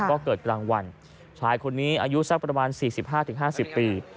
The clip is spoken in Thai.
ก็เกิดกลางวันชายคนนี้อายุสักประมาณ๔๕๕๐ปี